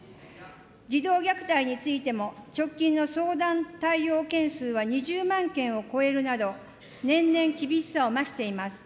児童虐待についても、直近の相談対応件数は２０万件を超えるなど、年々厳しさを増しています。